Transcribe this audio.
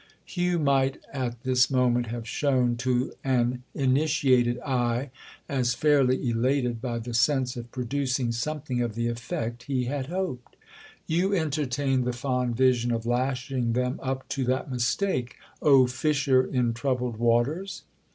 Hugh might at this moment have shown to an initiated eye as fairly elated by the sense of producing something of the effect he had hoped. "You entertain the fond vision of lashing them up to that mistake, oh fisher in troubled waters?"